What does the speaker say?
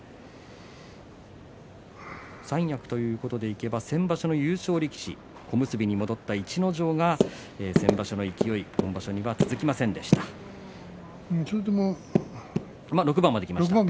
三役というところでいえば先場所の優勝力士、小結に戻った逸ノ城先場所の勢いは今場所にそれでも６番きましたね